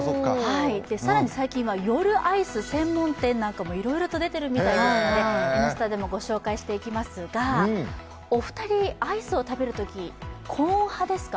更に、最近は夜アイス専門店なんかもいろいろと出ているみたいなので、「Ｎスタ」でもご紹介していきますがお二人、アイスを食べるときコーン派ですか？